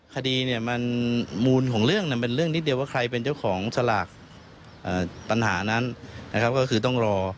คดีมูลของเรื่องเป็นเรื่องนิดเดียวว่าใครเป็นเจ้าของสารากปัญหานั้นก็คือต้องรอ